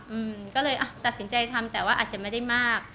อืมก็เลยอ่ะตัดสินใจทำแต่ว่าอาจจะไม่ได้มาก